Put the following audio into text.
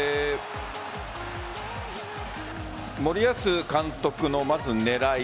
森保監督の狙い